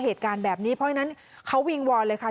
เหตุการณ์แบบนี้เพราะฉะนั้นเขาวิงวอนเลยค่ะ